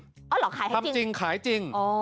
อ๋อเหรอขายให้จริงทำจริงขายจริง